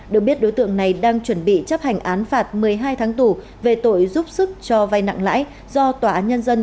được biết đối tượng này đang chuẩn bị chấp hành án phạt một mươi hai tháng tù về tội giúp sức cho vai nặng lãi do tòa án nhân dân